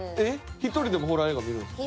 １人でもホラー映画見るんですか？